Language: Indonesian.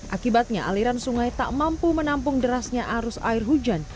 akibatnya aliran sungai tak mampu menampung derasnya arus air hujan